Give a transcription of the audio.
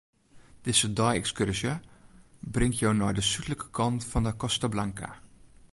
Dizze dei-ekskurzje bringt jo nei de súdlike kant fan 'e Costa Blanca.